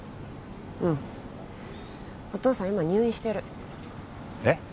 うんお義父さん今入院してるえっ！？